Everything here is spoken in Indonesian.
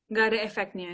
nggak ada efeknya